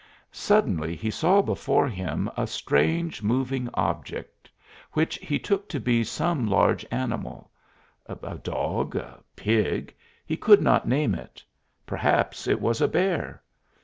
Suddenly he saw before him a strange moving object which he took to be some large animal a dog, a pig he could not name it; perhaps it was a bear.